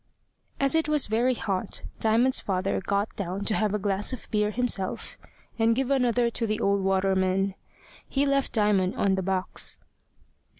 As it was very hot, Diamond's father got down to have a glass of beer himself, and give another to the old waterman. He left Diamond on the box.